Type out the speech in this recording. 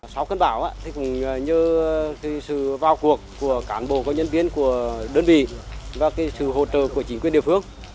sau cơn bão cũng nhờ sự vào cuộc của cán bộ và nhân viên của đơn vị và sự hỗ trợ của chính quyền địa phương